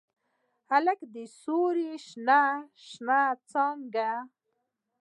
هلک د سیورو شنه، شنه څاڅکي